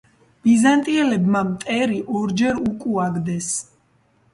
ბიზანტიელებმა მტერი ორჯერ უკუაგდეს.